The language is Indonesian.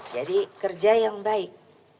jadi kerja yang baik